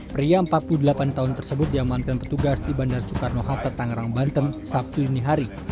pria empat puluh delapan tahun tersebut diamanten petugas di bandar soekarno hatta tangerang banten sabtu ini hari